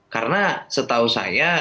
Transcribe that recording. karena setahu saya